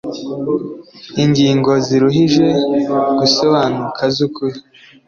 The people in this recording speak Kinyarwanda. Ingingo ziruhije gusobanuka z’ukuri